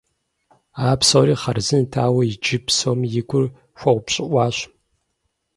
А псори хъарзынэт, ауэ иджы псоми и гур хуэупщӏыӏуащ.